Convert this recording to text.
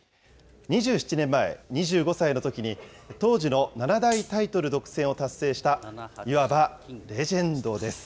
２７年前、２５歳のときに、当時の七大タイトル独占を達成した、いわばレジェンドです。